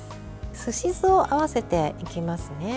すし酢を合わせていきますね。